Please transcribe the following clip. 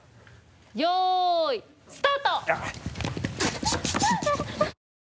よいスタート！